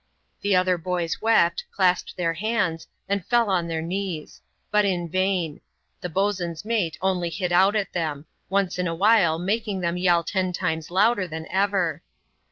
The other boys wept, clasped their hands, and fell on their knees ; but in vain ; the boatswain's mate only hit out at them ; once in a while making them yell ten times louder than ever.